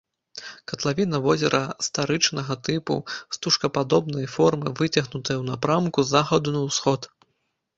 Катлавіна возера старычнага тыпу, стужкападобнай формы, выцягнутая ў напрамку з захаду на ўсход.